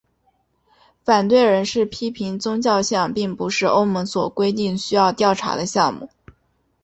反对人士批评宗教信仰并不是欧盟所规定需要调查的项目。